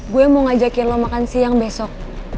gue mau ngajakin lo makan siang besok